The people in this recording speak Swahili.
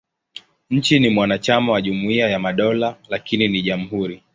Nchi ni mwanachama wa Jumuiya ya Madola, lakini ni jamhuri.